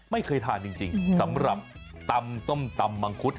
ไม่เคยทานจริงสำหรับตำส้มตำมังคุด